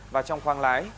và trong khoang lái